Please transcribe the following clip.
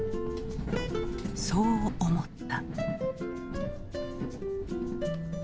そう思った。